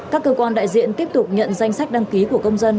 các cơ quan đại diện tiếp tục nhận danh sách đăng ký của công dân